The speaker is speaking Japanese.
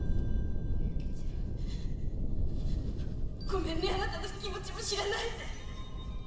ごめんねあなたの気持ちも知らないで。